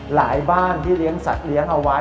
บ้านที่เลี้ยงสัตว์เลี้ยงเอาไว้